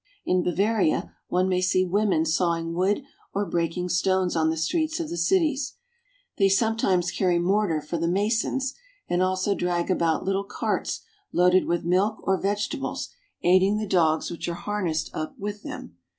In Bavaria one may see women sawing wood or break ing stones on the streets of the cities. They sometimes carry mortar for the masons, and also drag about little carts loaded with milk or vegetables, aiding the dogs which are harnessed up with them.